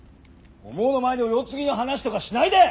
お毛の前でお世継ぎの話とかしないで！